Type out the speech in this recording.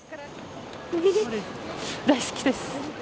大好きです。